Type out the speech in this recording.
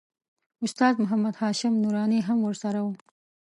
استاد محمد هاشم نوراني هم ورسره و.